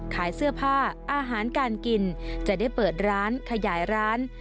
ขายเสื้อผ้าอาหารการกินจะได้เปิดร้านขยายร้าน